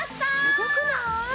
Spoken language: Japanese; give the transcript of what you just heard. すごくない？